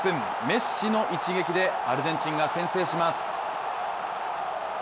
メッシの一撃でアルゼンチンが先制します。